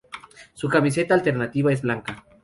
Su camiseta alternativa es blanca.